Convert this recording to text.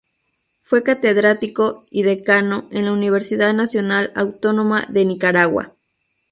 Fue catedrático y decano en la Universidad Nacional Autónoma de Nicaragua.